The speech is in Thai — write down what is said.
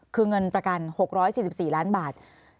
คือเงินประกัน๖๔๔ล้านบาท